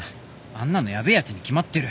あんなのヤベえやつに決まってる